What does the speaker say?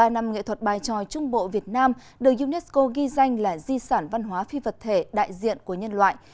ba năm nghệ thuật bài tròi trung bộ việt nam được unesco ghi danh là di sản văn hóa phi vật thể đại diện của nhân loại